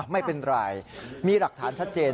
ไม่เป็นไรมีหลักฐานชัดเจน